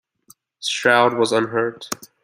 Stroud was unhurt.